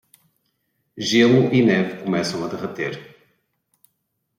Gelo e neve começam a derreter